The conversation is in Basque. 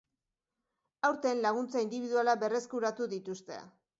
Aurten, laguntza indibidualak berreskuratu dituzte.